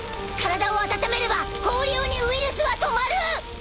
体を温めれば氷鬼ウイルスは止まる！